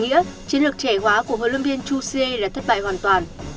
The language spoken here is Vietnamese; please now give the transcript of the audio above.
nghĩa chiến lược trẻ hóa của hồ lâm viên chu xie đã thất bại hoàn toàn